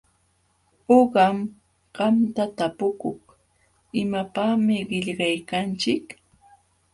Uqam qamta tapukuk: ¿Imapaqmi qillqaykanchik?